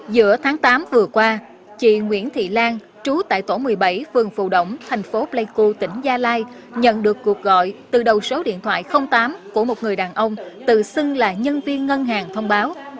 giữa tháng tám vừa qua chị nguyễn thị lan trú tại tổ một mươi bảy phường phù động thành phố pleiku tỉnh gia lai nhận được cuộc gọi từ đầu số điện thoại tám của một người đàn ông tự xưng là nhân viên ngân hàng thông báo